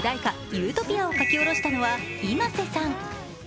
「ユートピア」を書き下ろしたのはｉｍａｓｅさん。